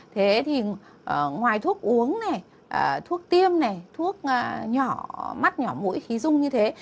thế thì ngoài thuốc uống này thuốc tiêm này thuốc nhỏ mắt nhỏ mũi khí dung như thế